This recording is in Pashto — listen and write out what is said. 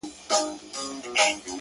له څه مودې راهيسي داسـي يـمـه _